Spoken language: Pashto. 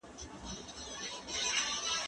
هغه څوک چي کالي مينځي روغ وي!؟